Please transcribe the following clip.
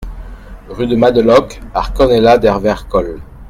Rue de Madeloc à Corneilla-del-Vercol